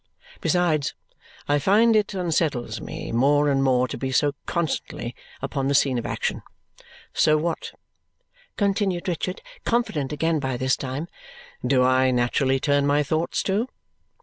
Besides, I find it unsettles me more and more to be so constantly upon the scene of action. So what," continued Richard, confident again by this time, "do I naturally turn my thoughts to?"